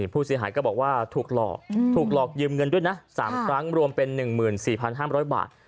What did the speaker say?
ผู้เสียหายก็บอกว่าถูกหลอกถูกหลอกยืมเงินด้วยนะ๓ครั้งรวมเป็น๑๔๕๐๐บาท